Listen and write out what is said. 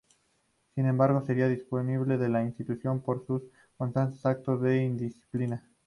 Sin embargo, sería despedido de la institución por sus constantes actos de indisciplina.